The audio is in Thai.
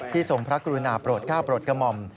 ที่ทรงพระกรุณาโปรดก้าวโปรดกมม